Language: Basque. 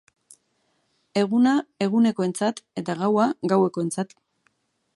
Eguna egunekoentzat eta gaua gauekoentzat.